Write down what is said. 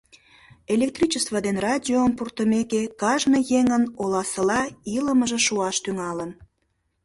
Электричество ден радиом пуртымеке, кажне еҥын оласыла илымыже шуаш тӱҥалын.